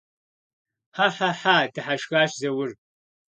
Хьэ-хьэ-хьа! - дыхьэшхащ Заур.